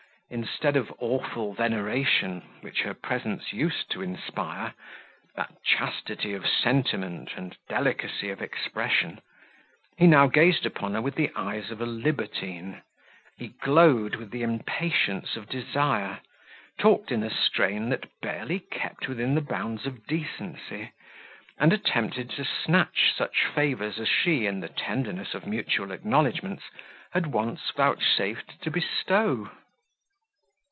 Instead of awful veneration, which her presence used to inspire, that chastity of sentiment, and delicacy of expression, he now gazed upon her with the eyes of a libertine, he glowed with the impatience of desire, talked in a strain that barely kept within the bounds of decency, and attempted to snatch such favours, as she, in the tenderness of mutual acknowledgments, had once vouchsafed to bestow.